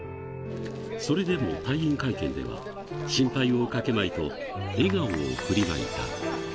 それでも退院会見では、心配をかけまいと、笑顔を振りまいた。